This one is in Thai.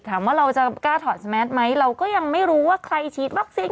ถามว่าเราจะกล้าถอดสแมทไหมเราก็ยังไม่รู้ว่าใครฉีดวัคซีน